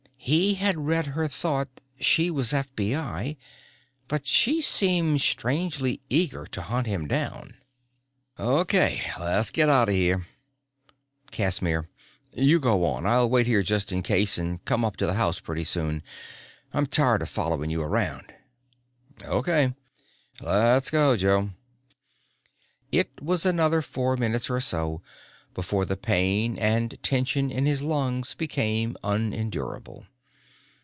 He had read her thought, she was FBI, but she seemed strangely eager to hunt him down. "Okay, le's get outta here." Casimir: "You go on. I'll wait here just in case and come up to the house pretty soon. I'm tired of following you around." "Okay. Le's go, Joe." It was another four minutes or so before the pain and tension in his lungs became unendurable.